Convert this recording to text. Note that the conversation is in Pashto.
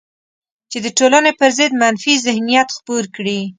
چې د ټولنې پر ضد منفي ذهنیت خپور کړي